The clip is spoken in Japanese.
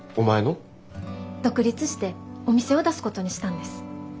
独立してお店を出すことにしたんです。